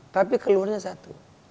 tapi keluhannya satu